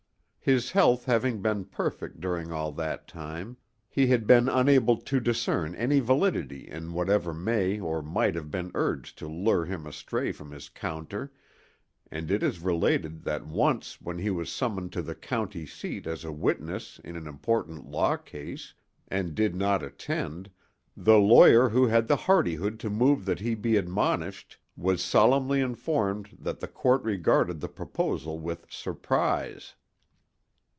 His health having been perfect during all that time, he had been unable to discern any validity in whatever may or might have been urged to lure him astray from his counter and it is related that once when he was summoned to the county seat as a witness in an important law case and did not attend, the lawyer who had the hardihood to move that he be "admonished" was solemnly informed that the Court regarded the proposal with "surprise."